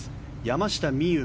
山下美夢